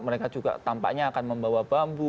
mereka juga tampaknya akan membawa bambu